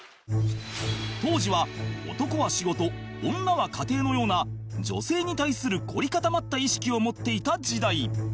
当時は「男は仕事女は家庭」のような女性に対する凝り固まった意識を持っていた時代